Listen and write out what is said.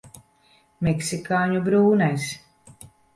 Meksikāņu brūnais.